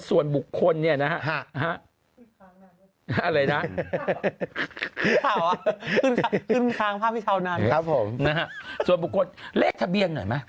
ส่วนบุคคลเนี่ยนะอะไรนะขึ้นทางภาพให้เท่านั้นส่วนบุคคลเลขทะเบียงหน่อยมั้ย